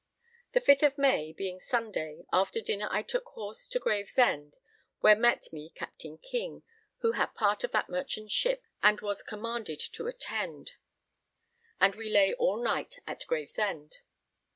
The 5th of May, being Sunday, after dinner I took horse to Gravesend, where met me Captain King, who had part of that merchant ship and was commanded to attend, and we lay all night at Gravesend.